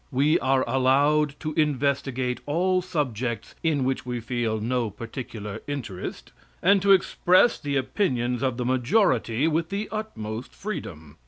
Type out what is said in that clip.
We are allowed to investigate all subjects in which we feel no particular interest, and to express the opinions of the majority with the utmost freedom.